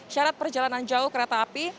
syarat perjalanan jauh kereta api